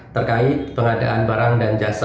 terkait pengadaan barang dan jasa